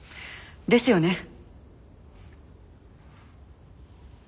ですよね？